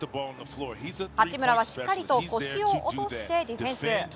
八村はしっかりと腰を落としてディフェンス。